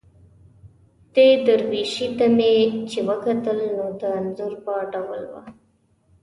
دې درویشي ته مې چې وکتل، نو د انځور په ډول وه.